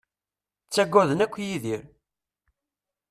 Ttaggaden akk Yidir.